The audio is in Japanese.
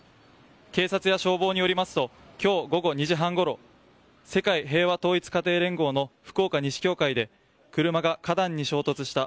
警察や消防によりますと今日午後２時半ごろ世界平和統一家庭連合の福岡西教会で車が花壇に衝突した。